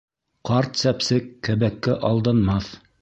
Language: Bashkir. Ҡарт сәпсек кәбәккә алданмаҫ.